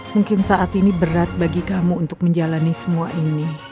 mungkin saat ini berat bagi kamu untuk menjalani semua ini